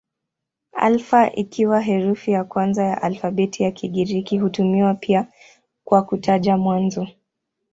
Alfa ikiwa herufi ya kwanza ya alfabeti ya Kigiriki hutumiwa pia kwa kutaja mwanzo.